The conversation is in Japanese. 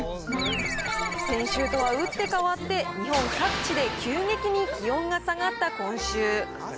先週とは打って変わって、日本各地で急激に気温が下がった今週。